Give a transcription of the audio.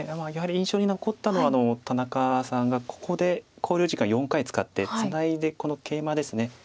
やはり印象に残ったのは田中さんがここで考慮時間４回使ってツナいでこのケイマです。